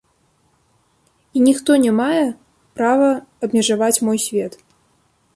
І ніхто не мае права абмежаваць мой свет.